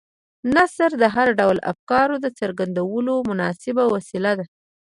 نثر د هر ډول افکارو د څرګندولو مناسبه وسیله ده.